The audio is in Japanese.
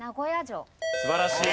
素晴らしい！